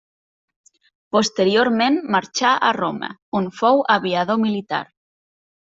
Posteriorment marxà a Roma, on fou aviador militar.